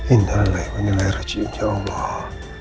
inhalai menilai rajinya allah